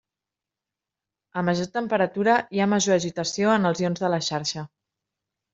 A major temperatura hi ha major agitació en els ions de la xarxa.